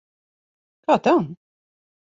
Kā tā?